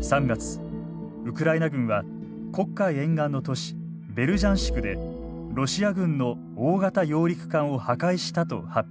３月ウクライナ軍は黒海沿岸の都市ベルジャンシクでロシア軍の大型揚陸艦を破壊したと発表。